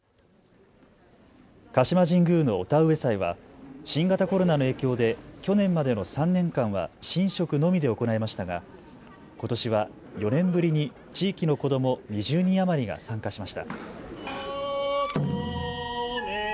鹿島神宮の御田植祭は新型コロナの影響で去年までの３年間は神職のみで行いましたがことしは４年ぶりに地域の子ども２０人余りが参加しました。